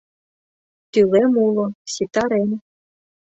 Тӱлем уло, ситарем